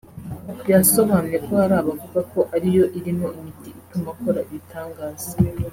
yasobanuye ko hari abavuga ko ariyo irimo imiti ituma akora ibitangaza